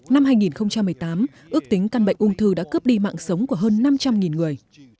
năm hai nghìn một mươi tám ước tính căn bệnh ung thư đã cướp đi mạng sống của hơn năm trăm linh người